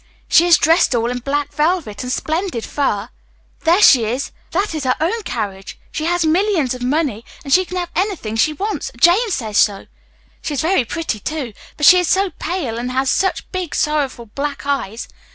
"She is dressed all in black velvet and splendid fur." "That is her own, own, carriage." "She has millions of money; and she can have anything she wants Jane says so!" "She is very pretty, too; but she is so pale and has such big, sorrowful, black eyes.